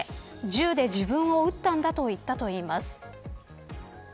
銃で自分を撃ったんだと言ったといいます。